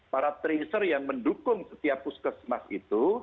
para tracer yang mendukung setiap puskesmas itu